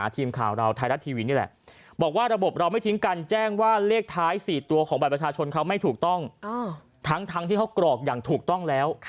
แต่ประชาชนเขาไม่ถูกต้องทั้งทั้งที่เขากรอกอย่างถูกต้องแล้ว